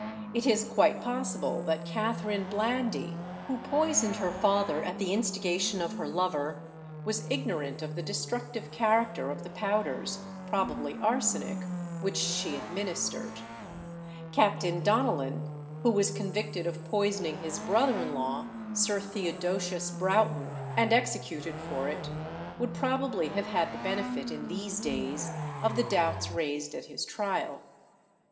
It is quite possible that Catherine Blandy, who poisoned her father at the instigation of her lover, was ignorant of the destructive character of the powders, probably arsenic, which she administered. Captain Donellan, who was convicted of poisoning his brother in law, Sir Theodosius Broughton, and executed for it, would probably have had the benefit in these days of the doubts raised at his trial.